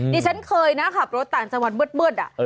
นี่ฉันเคยนะขับรถต่างจังหวันเบื้ดอะ